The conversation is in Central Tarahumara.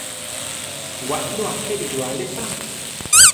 Waʼlú apériru alé pa.